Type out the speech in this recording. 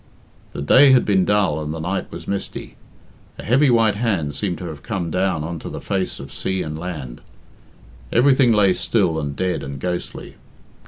The day had been dull and the night was misty. A heavy white hand seemed to have come down on to the face of sea and land. Everything lay still and dead and ghostly.